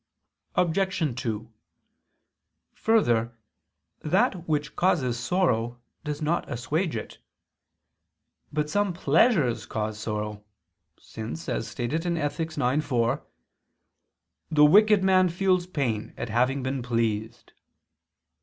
Obj. 2: Further, that which causes sorrow does not assuage it. But some pleasures cause sorrow; since, as stated in Ethic. ix, 4, "the wicked man feels pain at having been pleased."